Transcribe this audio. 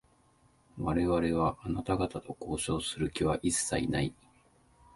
我々は、あなた方と交渉をする気は一切ない。